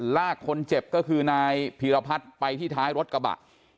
ลากคนเจ็บก็คือนายพีรพัฒน์ไปที่ท้ายรถกระบะ